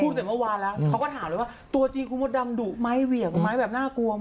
เสร็จเมื่อวานแล้วเขาก็ถามเลยว่าตัวจริงคุณมดดำดุไหมเหวี่ยงไหมแบบน่ากลัวไหม